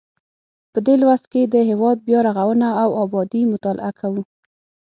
په دې لوست کې د هیواد بیا رغونه او ابادي مطالعه کوو.